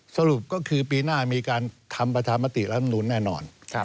สรุปก็คือปีหน้ามีการทำประชามติรัฐมนุนแน่นอน